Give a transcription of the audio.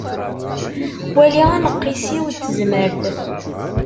Wali aneqqis-iw n tezmert.